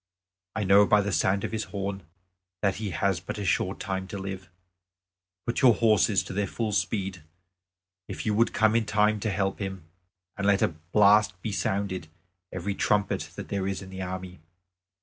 I know by the sound of his horn that he has but a short time to live. Put your horses to their full speed, if you would come in time to help him, and let a blast be sounded by every trumpet that there is in the army."